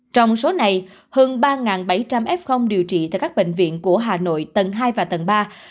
trong số này hơn ba bảy trăm linh f điều trị tại các bệnh viện của hà nội tầng hai và tầng ba